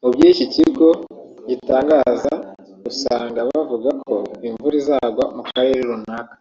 Mubyo iki kigo gitangaza usanga bavuga ko imvura izagwa mu karere runaka